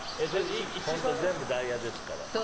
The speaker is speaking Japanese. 全部ダイヤですから。